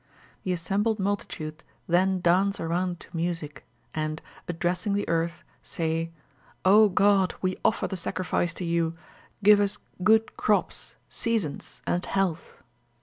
The assembled multitude then dance around to music, and, addressing the earth, say 'Oh! God, we offer the sacrifice to you. Give us good crops, seasons, and health.'